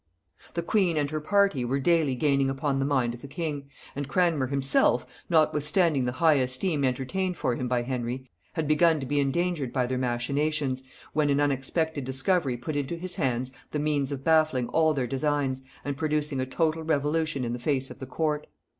] The queen and her party were daily gaining upon the mind of the king; and Cranmer himself, notwithstanding the high esteem entertained for him by Henry, had begun to be endangered by their machinations, when an unexpected discovery put into his hands the means of baffling all their designs, and producing a total revolution in the face of the court.